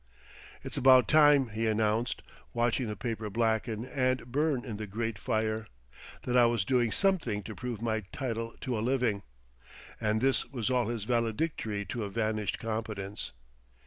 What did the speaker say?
"It's about time," he announced, watching the paper blacken and burn in the grate fire, "that I was doing something to prove my title to a living." And this was all his valedictory to a vanished competence.